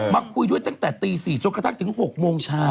คุยด้วยตั้งแต่ตี๔จนกระทั่งถึง๖โมงเช้า